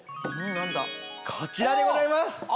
こちらでございます。